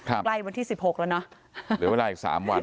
ใกล้วันที่สิบหกแล้วเนอะเหลือเวลาอีกสามวัน